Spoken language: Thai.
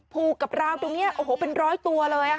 ผูกกับราวตรงนี้โอ้โหเป็นร้อยตัวเลย